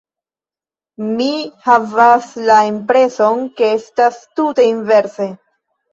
Mi havas la impreson, ke estas tute inverse.